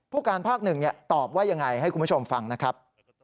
ผู้การภาคหนึ่งตอบว่ายังไงให้คุณผู้ชมฟังนะครับ